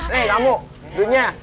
nih kamu dudunya